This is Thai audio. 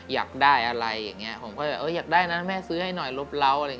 อยากได้อะไรผมก็อยากได้นะแม่ซื้อให้หน่อยลบเล้า